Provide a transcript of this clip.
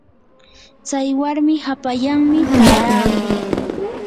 tsay warmi hapallanmi taarakun.